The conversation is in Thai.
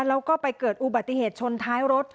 แล้วก็ไปเกิดอุบัติเหตุชนท้ายรถ